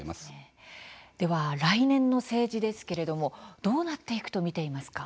では来年の政治ですけれどどうなっていくと見ていますか。